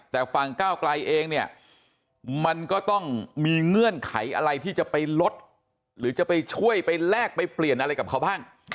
แต่ฝั่งก้าวไกลเองเนี่ยมันก็ต้องมีเงื่อนไขอะไรที่จะไปลดหรือจะไปช่วยไปแลกไปเปลี่ยนอะไรกับเขาบ้าง